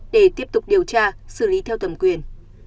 để tiếp tục điều tra xử lý theo thẩm quyền